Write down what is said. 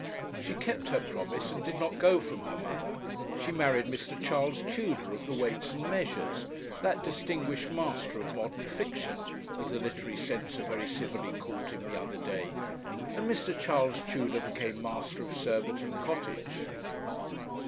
She kept her promise, and did not go from her mother. She married Mr. Charles Tudor, of the Weights and Measures, that distinguished master of modern fiction, as the Literary Censor very civilly called him the other day; and Mr. Charles Tudor became master of Surbiton Cottage.